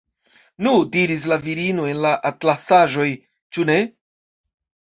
Nu, diris la virino en la atlasaĵoj, ĉu ne?